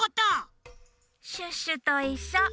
シュッシュといっしょ！